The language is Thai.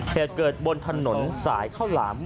เหตุเกิดบนถนนสายข้าวหลาม